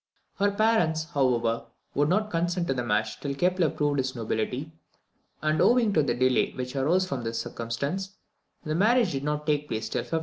Her parents, however, would not consent to the match till Kepler proved his nobility; and, owing to the delay which arose from this circumstance, the marriage did not take place till 1597.